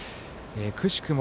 くしくも